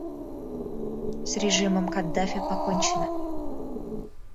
С режимом Каддафи покончено.